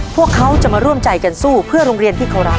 พวกเขาจะมาร่วมใจกันสู้เพื่อโรงเรียนที่เขารัก